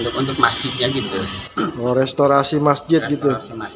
untuk masjidnya gitu mau restorasi masjid gitu